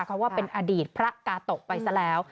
เขาว่าเป็นอดีตพระกาโตะไปซะแล้ว